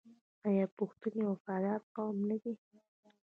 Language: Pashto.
آیا پښتون یو وفادار قوم نه دی؟